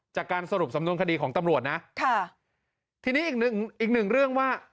จากการสรุปสำนวนคดีของตำรวจนะค่ะทีนี้อีกหนึ่งอีกหนึ่งเรื่องว่า